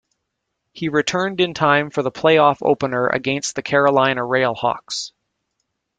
He returned in time for the playoff opener against the Carolina RailHawks.